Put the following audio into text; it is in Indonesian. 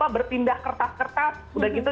berpindah kertas kertas udah gitu